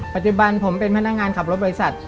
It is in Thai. ปัจจุบันผมเป็นพนักงานขับรถบริษัท